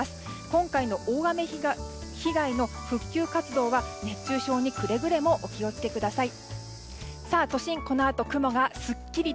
今回の大雨被害の復旧活動は熱中症にくれぐれもお気を付けください。